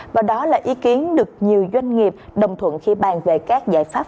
và đó là ý kiến được nhiều doanh nghiệp đồng thuận khi bàn về các giải pháp